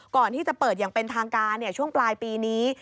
ก่อนที่จะเปิดอย่างเป็นทางการช่วงปลายปีนี้